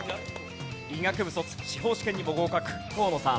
医学部卒司法試験にも合格河野さん。